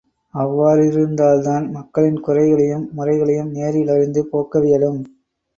அவ்வாறிருந்தால்தான், மக்களின் குறைகளையும், முறைகளையும் நேரில் அறிந்து போக்கவியலும்.